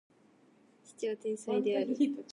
父は天才である